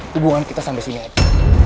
hubungan kita sampai sini aja